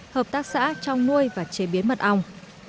hợp tác xã trong nuôi và chế biến mật ong